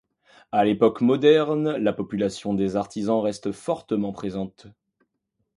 À l'époque moderne, la population des artisans reste fortement présente.